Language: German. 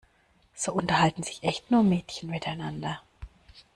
So unterhalten sich echt nur Mädchen miteinander.